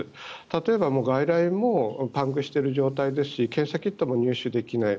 例えば、外来もパンクしている状態ですし検査キットも入手できない。